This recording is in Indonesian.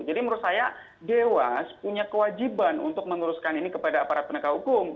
jadi menurut saya dewas punya kewajiban untuk meneruskan ini kepada aparat penegak hukum